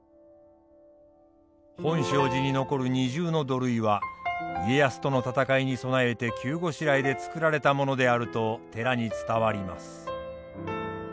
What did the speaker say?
本證寺に残る二重の土塁は家康との戦いに備えて急ごしらえで造られたものであると寺に伝わります。